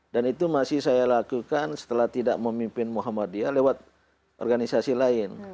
dan itu masih saya lakukan setelah tidak memimpin muhammadiyah lewat organisasi lain